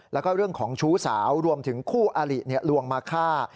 แล้วก็เรื่องของชู้สาวรวมถึงคู่อลิลวงมาฆ่า